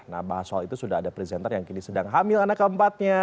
nah bahas soal itu sudah ada presenter yang kini sedang hamil anak keempatnya